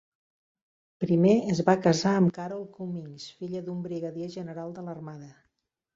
Primer es va casar amb Carol Cummings, filla d'un brigadier general de l'Armada.